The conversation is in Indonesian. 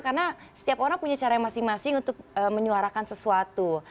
karena setiap orang punya cara masing masing untuk menyuarakan sesuatu